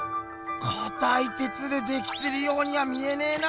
かたい鉄でできてるようには見えねぇな。